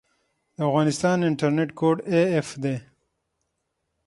د افغانستان انټرنیټ کوډ af دی